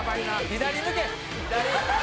「左向け左！」